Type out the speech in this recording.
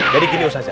jadi gini usahanya